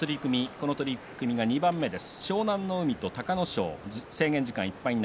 この取組が２番目です。